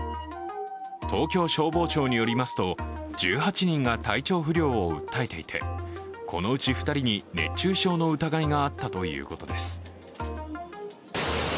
東京消防庁によりますと、１８人が体調不良を訴えていて、このうち２人に熱中症の疑いがあったということです。